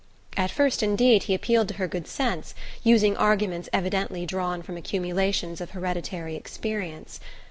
At first, indeed, he appealed to her good sense, using arguments evidently drawn from accumulations of hereditary experience.